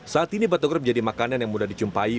saat ini batagor menjadi makanan yang mudah dicumpai